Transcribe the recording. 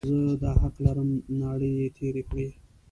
زه دا حق لرم، ناړې یې تېرې کړې.